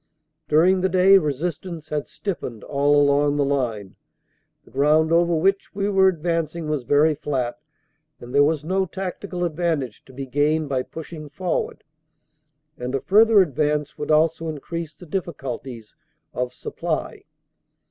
"During the day resistance had stiffened all along the line. The ground over which we were advancing was very flat, and there was no tactical advantage to be gained by pushing for ward, and a further advance would also increase the difficulties of supply.